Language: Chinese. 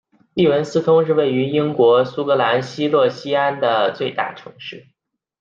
利文斯通是位于英国苏格兰西洛锡安的最大城市。